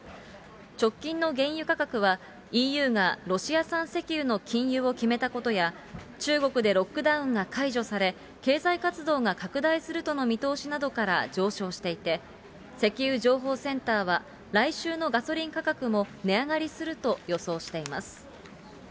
直近の原油価格は、ＥＵがロシア産石油の禁輸を決めたことや、中国でロックダウンが解除され、経済活動が拡大するとの見通しなどから上昇していて、石油情報センターは、来週のガソリン価格も値上がりすると予想しています。